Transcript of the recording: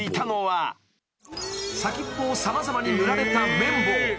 ［先っぽを様々に塗られた］